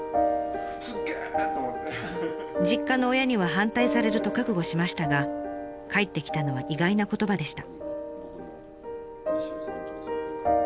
実家の親には反対されると覚悟しましたが返ってきたのは意外な言葉でした。